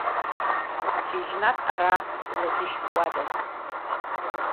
Шьыжьнатә ара улазышьҭуадаз.